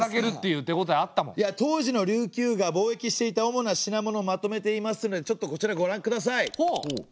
当時の琉球が貿易していた主な品物をまとめていますのでちょっとこちらご覧ください。